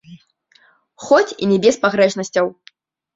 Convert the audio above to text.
Хоць і не без пагрэшнасцяў.